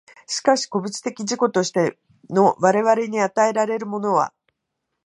しかし個物的自己としての我々に与えられるものは、